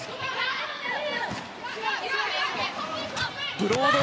ブロード。